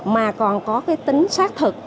mà còn có cái tính xác thực